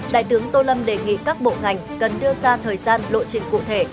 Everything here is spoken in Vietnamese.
đại tướng tô lâm đề nghị các bộ ngành cần đưa ra thời gian lộ trình cụ thể